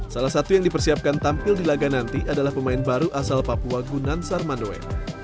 salah satu yang dipersiapkan tampil di laga nanti adalah pemain baru asal papua gunansar manue